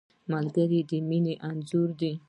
ملګری د مینې انځور دی